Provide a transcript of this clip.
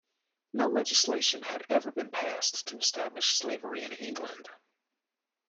No legislation had ever been passed to establish slavery in England.